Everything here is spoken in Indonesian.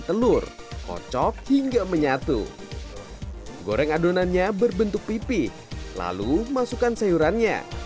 telur kocok hingga menyatu goreng adonannya berbentuk pipih lalu masukkan sayurannya